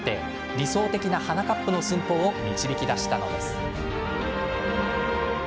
理想的な鼻カップの寸法を導き出したのです。